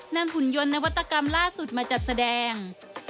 หุ่นยนต์นวัตกรรมล่าสุดมาจัดแสดง